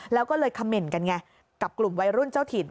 แล้วก็เลยคำเมนต์กันไงกับกลุ่มวัยรุ่นเจ้าถิ่น